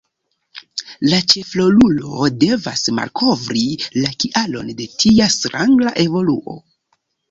La ĉefrolulo devas malkovri la kialon de tia stranga evoluo.